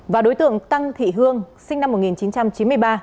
và đối tượng tăng thị hương sinh năm một nghìn chín trăm chín mươi ba